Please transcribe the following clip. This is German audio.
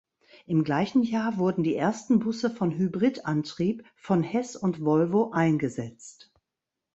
Im gleichen Jahr wurden die ersten Busse von Hybridantrieb von Hess und Volvo eingesetzt.